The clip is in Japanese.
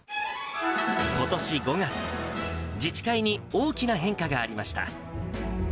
ことし５月、自治会に大きな変化がありました。